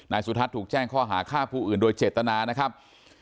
สุทัศน์ถูกแจ้งข้อหาฆ่าผู้อื่นโดยเจตนานะครับ